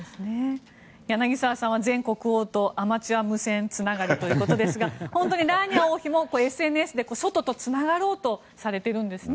柳澤さんは、前国王とアマチュア無線つながりということですが本当にラーニア王妃もＳＮＳで外とつながろうとされているんですね。